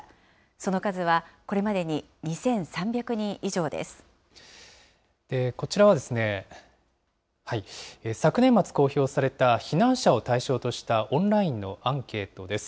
その数はこれまでに２３００人以こちらは、昨年末公表された避難者を対象としたオンラインのアンケートです。